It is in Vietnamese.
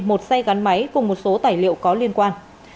một xe gắn máy cùng một số tài liệu có liên quan